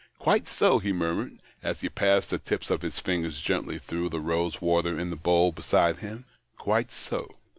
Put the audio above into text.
" Quite so," he murmured, as he passed the tips of his fingers gently through the rose water in the bowl beside him. " Quite so."